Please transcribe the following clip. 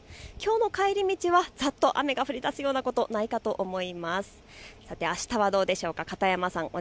きょうの帰り道は、ざっと雨が降りだすようなことないと思います。